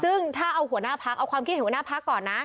ซึ่งถ้าเอาความคิดหัวหน้าภักรก่อนนะ